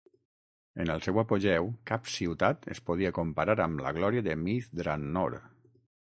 En el seu apogeu, cap ciutat es podia comparar amb la glòria de Myth Drannor.